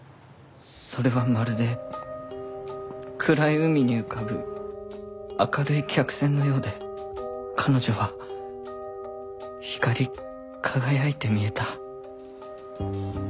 それはまるで暗い海に浮かぶ明るい客船のようで彼女は光り輝いて見えた。